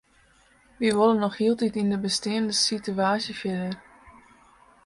Wy wolle noch hieltyd yn de besteande sitewaasje fierder.